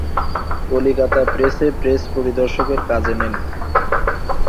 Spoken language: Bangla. কলিকাতা প্রেসে প্রেস-পরিদর্শকের কাজে নেন।